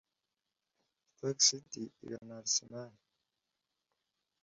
Stoke City igakina na Arsenal